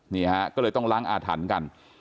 นี่ฮะก็เลยต้องล้างอาถรรพ์กัน